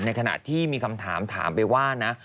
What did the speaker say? ขณะที่มีคำถามถามไปว่านะ